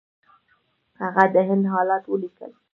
هغه د هند حالات ولیکل.